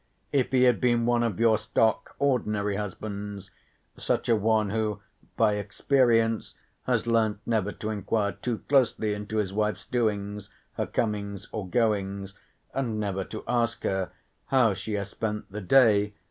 If he had been one of your stock ordinary husbands, such a one who by experience has learnt never to enquire too closely into his wife's doings, her comings or goings, and never to ask her, "How she has spent the day?"